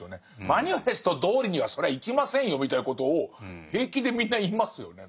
マニフェストどおりにはそりゃいきませんよみたいなことを平気でみんな言いますよね。